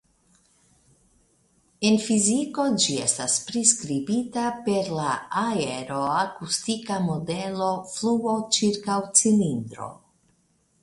En fiziko ĝi estas priskribita per la aeroakustika modelo "fluo ĉirkaŭ cilindro".